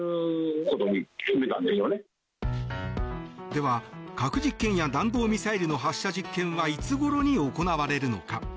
では、核実験や弾道ミサイルの発射実験はいつごろに行われるのか。